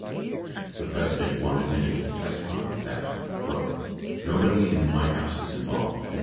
The President wanted Mitchell to testify that "[njobody in the White House is involved, etc.